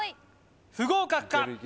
不合格か？